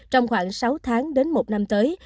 trong khoảng sáu tháng đến một năm tới